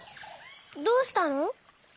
どうしたの？